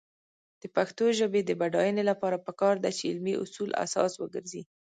د پښتو ژبې د بډاینې لپاره پکار ده چې علمي اصول اساس وګرځي.